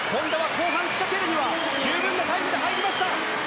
後半仕掛けるには十分なタイムで入りました。